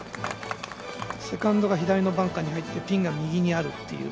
セカンドが左のバンカーに入ってピンが右にあるという。